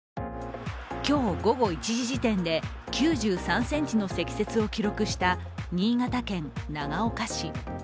今日午後１時時点で９３ｃｍの積雪を記録した新潟県長岡市。